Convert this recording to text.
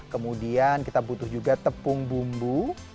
kemudian kita butuh juga tepung bumbu